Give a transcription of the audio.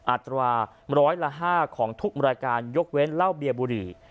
อัตรวา๑๐๐ละ๕ของทุกมูลการยกเว้นเล่าเบียบุหรี่